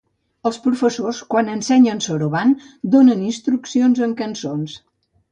Els professors, quan ensenyen soroban, donen instruccions amb cançons.